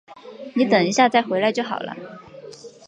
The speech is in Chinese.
你等一下再回来就好了